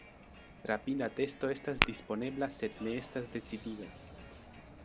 Rapida testo estas disponebla sed ne estas decidiga.